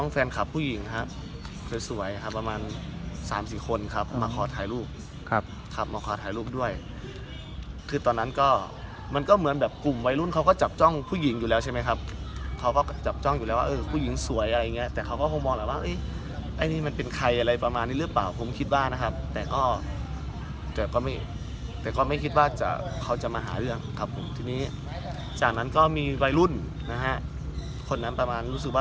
สามสิบคนครับมาขอถ่ายรูปครับครับมาขอถ่ายรูปด้วยคือตอนนั้นก็มันก็เหมือนแบบกลุ่มวัยรุ่นเขาก็จับจ้องผู้หญิงอยู่แล้วใช่ไหมครับเขาก็จับจ้องอยู่แล้วว่าเออผู้หญิงสวยอะไรอย่างเงี้ยแต่เขาก็มองแบบว่าเอ๊ะไอ้นี่มันเป็นใครอะไรประมาณนี้หรือเปล่าผมคิดว่านะครับแต่ก็แต่ก็ไม่แต่ก็ไม่คิดว่าจะเขาจะมาหาเรื่องครั